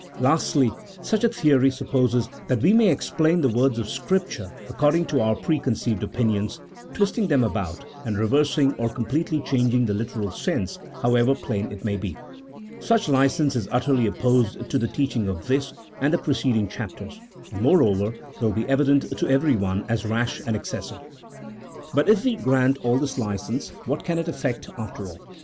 Lastly, such a theory supposes that we may explain the words of Scripture according to our preconceived opinions, twisting them about, and reversing or completely changing the literal sense, however plain it may be. Such licence is utterly opposed to the teaching of this and the preceding chapters, and, moreover, will be evident to everyone as rash and excessive. But if we grant all this licence, what can it effect after all ?